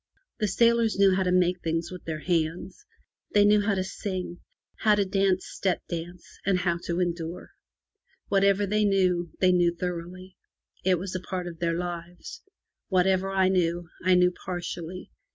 The sailors knew how to make things with their hands; they knew how to sing, how to dance step dance, and how to endure. Whatever they knew, they knew thoroughly. It was a part of their lives. Whatever I knew, I knew partially.